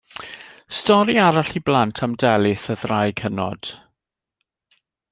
Stori arall i blant am Delyth, y ddraig hynod.